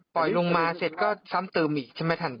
ปล่อยลงมาเสร็จก็ซ้ำเติมอีกใช่ไหมท่าน